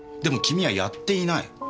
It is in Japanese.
でも君はやっていない。